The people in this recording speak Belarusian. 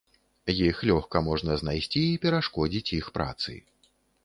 Іх лёгка можна знайсці і перашкодзіць іх працы.